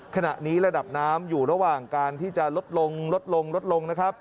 ขณะนี้ระดับน้ำอยู่ระหว่างการที่จะลดลงลดลงลดลงนะครับ